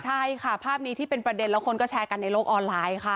ใช่ค่ะภาพนี้ที่เป็นประเด็นแล้วคนก็แชร์กันในโลกออนไลน์ค่ะ